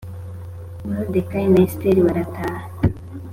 moridekayi na esiteri barataha